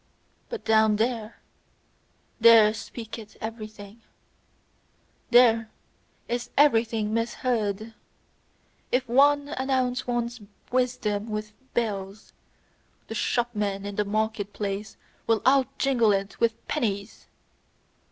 But down there there speaketh everything, there is everything misheard. If one announce one's wisdom with bells, the shopmen in the market place will out jingle it with pennies!